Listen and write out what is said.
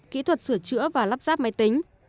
kỹ thuật sửa chữa và lắp ráp máy tính